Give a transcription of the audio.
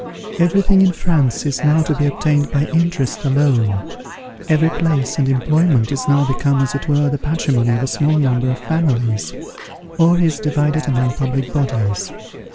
Every thing in France is now to be obtained by interest alone; every place and employment is now become as it were the patrimony of a small number of families, or is divided among public bodies.